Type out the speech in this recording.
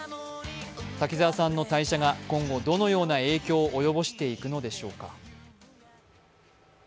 滝沢さんの退社が今後どのような影響を及ぼしていくのでしょうか。